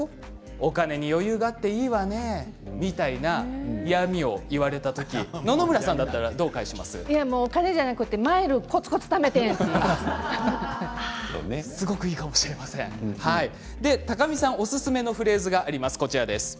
お金に余裕があっていいわね、みたいな嫌みを言われた時野々村さんだったらお金じゃなくマイルを高見さんおすすめのフレーズがあります。